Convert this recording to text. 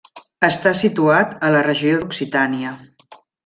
Està situat a la regió d'Occitània.